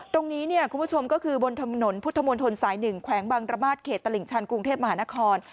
ตรงนี้เนี่ยคุณผู้ชมก็คือบนถนนพุทธมนตรสาย๑แขวงบางระมาทเขตตลิ่งชันกรุงเทพมหานคร